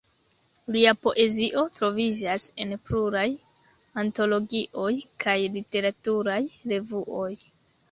Lia poezio troviĝas en pluraj antologioj kaj literaturaj revuoj.